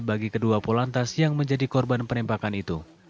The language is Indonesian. bagi kedua polantas yang menjadi korban penembakan itu